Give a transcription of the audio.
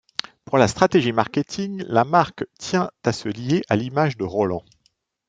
Pour la stratégie marketing, la marque tient à se lier à l'image de Roland.